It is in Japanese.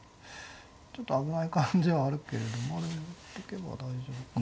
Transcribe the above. ちょっと危ない感じはあるけれどまあでも寄ってけば大丈夫か。